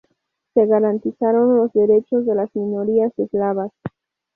Se garantizaron los derechos de las minorías eslavas.